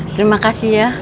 terima kasih ya